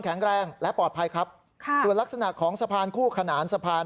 แรงและปลอดภัยครับค่ะส่วนลักษณะของสะพานคู่ขนานสะพาน